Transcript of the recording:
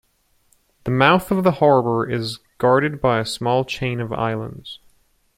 The mouth of the harbour is guarded by a small chain of islands.